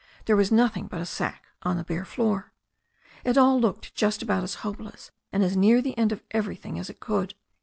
There was nothing but a sack on the bare floor. It all looked just about as hopeless and as near the end of everything as it could.